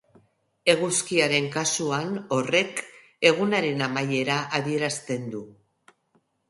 Eguzkiaren kasuan, horrek, egunaren amaiera adierazten du.